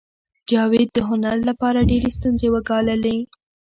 جاوید د هنر لپاره ډېرې ستونزې وګاللې